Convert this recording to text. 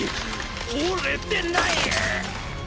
折れてない！？